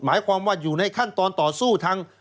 หมายความว่าอยู่ในขั้นตอนต่อสู้ทาง